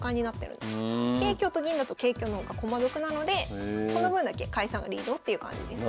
桂香と銀だと桂香の方が駒得なのでその分だけ甲斐さんがリードっていう感じです。